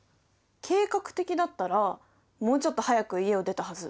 計画的だったらもうちょっと早く家を出たはず。